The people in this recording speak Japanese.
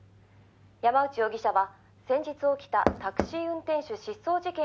山内容疑者は先日起きたタクシー運転手」